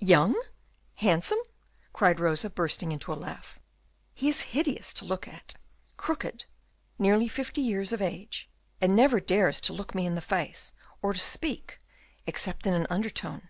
"Young? handsome?" cried Rosa, bursting into a laugh. "He is hideous to look at; crooked, nearly fifty years of age, and never dares to look me in the face, or to speak, except in an undertone."